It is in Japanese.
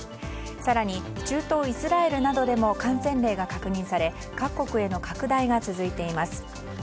更に中東イスラエルなどでも感染例が確認され各国への拡大が続いています。